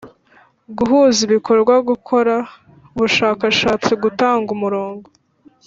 guhuza ibikorwa gukora ubushakashatsi gutanga umurongo